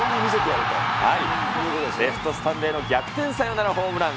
レフトスタンドへの逆転サヨナラホームラン。